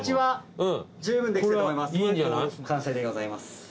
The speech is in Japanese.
完成でございます。